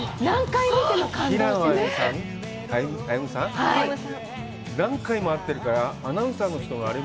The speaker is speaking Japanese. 何回も回ってるから、アナウンサーの人が。